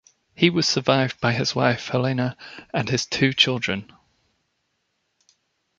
He was survived by his wife Helene and his two children.